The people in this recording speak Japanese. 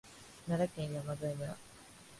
奈良県山添村